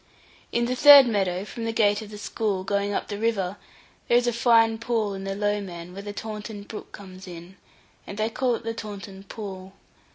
In the third meadow from the gate of the school, going up the river, there is a fine pool in the Lowman, where the Taunton brook comes in, and they call it the Taunton Pool.